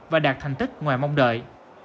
và đạt thành tích ngoài mong đợi